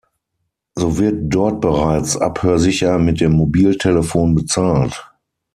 So wird dort bereits abhörsicher mit dem Mobiltelefon bezahlt.